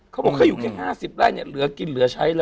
เขาบอกเขาอยู่แค่๕๐ไร่เนี่ยเหลือกินเหลือใช้แล้ว